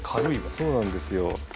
そうなんですよ。